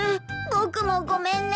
僕もごめんね。